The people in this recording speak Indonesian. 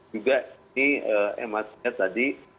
juga ini emasnya tadi